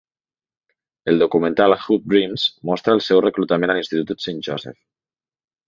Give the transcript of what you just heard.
El documental "Hoop Dreams" mostra el seu reclutament a l'institut St. Joseph.